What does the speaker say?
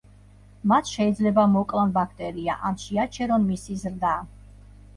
მათ შეიძლება მოკლან ბაქტერია ან შეაჩერონ მისი ზრდა.